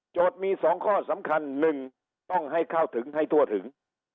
โจทย์มีสองข้อสำคัญหนึ่งต้องให้เข้าถึงให้ทั่วถึง